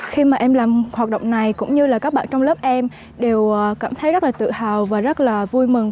khi mà em làm hoạt động này cũng như là các bạn trong lớp em đều cảm thấy rất là tự hào và rất là vui mừng